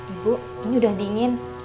ibu ini udah dingin